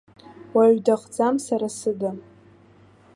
Уаҩ дахӡам сара сыда.